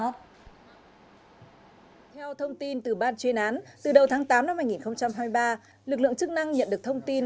theo thông tin từ ban chuyên án từ đầu tháng tám năm hai nghìn hai mươi ba lực lượng chức năng nhận được thông tin